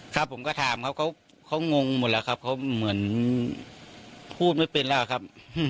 ครับผมก็ถามเขาเขางงหมดแล้วครับเขาเหมือนพูดไม่เป็นแล้วครับ